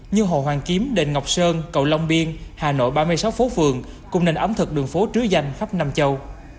như hồ hoàn kiếm đền ngọc sơn cầu long biên hà nội ba mươi sáu phố phường cùng nền ẩm thực đường phố trứ danh khắp nam châu